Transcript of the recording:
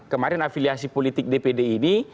kemarin afiliasi politik dpd ini